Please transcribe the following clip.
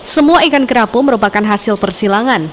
semua ikan kerapu merupakan hasil persilangan